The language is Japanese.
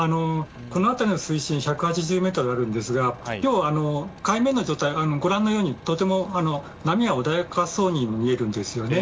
この辺りの水深１８０ｍあるんですが今日、海面の状態はご覧のように波が穏やかそうに見えるんですね。